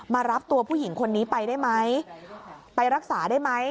มารับตัวผู้หญิงคนนี้ไปได้ไหมไปรักษาได้ไหม